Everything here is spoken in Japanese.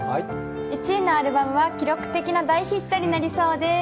１位のアルバムは記録的な大ヒットとなりそうです。